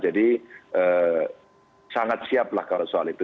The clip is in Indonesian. jadi sangat siap lah kalau soal itu